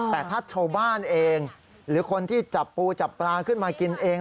แต่ถ้าชาวบ้านเองหรือคนที่จับปูจับปลาขึ้นมากินเอง